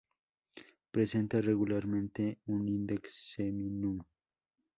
Presenta regularmente un Index Seminum.